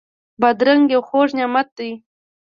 بادرنګ یو خوږ نعمت دی.